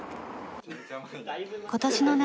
今年の夏